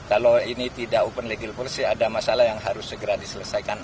kalau ini tidak open legal policy ada masalah yang harus segera diselesaikan